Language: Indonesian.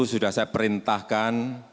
sudah saya perintahkan